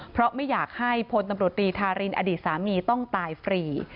เพราะไม่อยากให้พลตำรวจตรีทารินอดีตสามีต้องตายฟรี